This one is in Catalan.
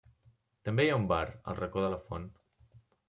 També hi ha un bar, El Racó de la Font.